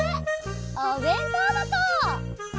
おべんとうばこ！